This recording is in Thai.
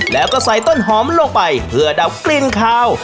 แล้วก็ใส่ต้นหอมลงไปเพื่อดับกลิ่นคาว